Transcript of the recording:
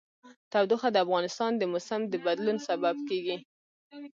تودوخه د افغانستان د موسم د بدلون سبب کېږي.